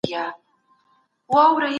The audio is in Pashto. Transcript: لویه جرګه څنګه د هیواد ستونزې حل کوي؟